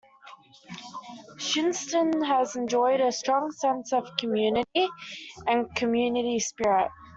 Shinnston has enjoyed a strong sense of community and community spirit.